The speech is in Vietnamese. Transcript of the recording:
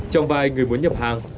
trong vài người muốn nhập hàng